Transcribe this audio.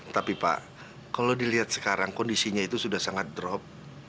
tapi pak kalau dilihat sekarang kondisinya itu sudah sangat drop